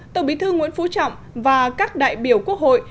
tổng bí thư nguyễn phú trọng và các đại biểu quốc hội